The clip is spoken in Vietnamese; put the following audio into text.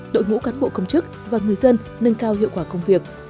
đội ngũ cán bộ công chức và người dân nâng cao hiệu quả công việc